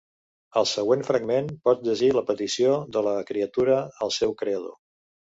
Al següent fragment pots llegir la petició de la criatura al seu creador.